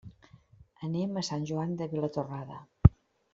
Anem a Sant Joan de Vilatorrada.